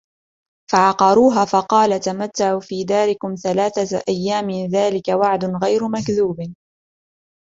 فعقروها فقال تمتعوا في داركم ثلاثة أيام ذلك وعد غير مكذوب